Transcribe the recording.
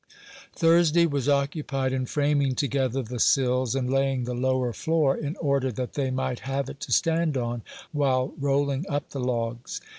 Thursday was occupied in framing together the sills, and laying the lower floor, in order that they might have it to stand on while rolling up the logs.